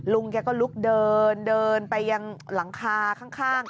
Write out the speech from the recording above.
ลุงแกก็ลุกเดินเดินไปยังหลังคาข้าง